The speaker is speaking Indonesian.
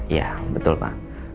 iya betul pak